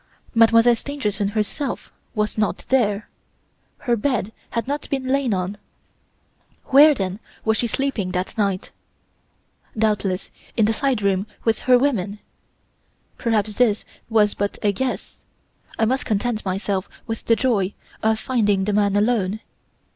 "Mademoiselle Stangerson herself was not there! Her bed had not been lain on! Where, then, was she sleeping that night? Doubtless in the side room with her women. Perhaps this was but a guess. I must content myself with the joy of finding the man alone.